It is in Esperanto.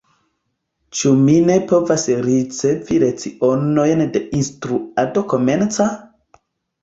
Ĉu mi ne povas ricevi lecionojn de instruado komenca?